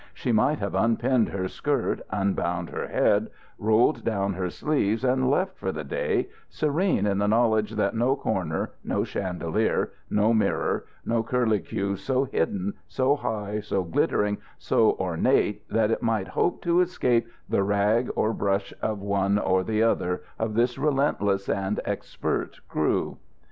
She might have unpinned her skirt, unbound her head, rolled down her sleeves and left for the day, serene in the knowledge that no corner, no chandelier, no mirror, no curlicue so hidden, so high, so glittering, so ornate that it might hope to escape the rag or brush of one or the other of this relentless and expert crew.